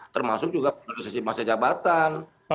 termasuk juga prosesi masa jabatan